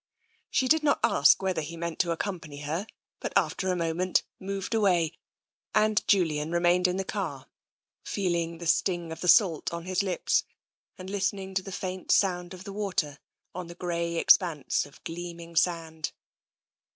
She did not ask whether he meant to accompany her, but after a moment moved away, and Julian re mained in the car, feeling the sting of the salt on his lips and listening to the faint sound of the water on the grey expanse of gleaming sand.